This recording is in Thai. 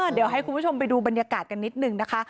เดี๋ยวให้คุณผู้ชมไปดูบรรยากาศกันนิดนึงนะคะ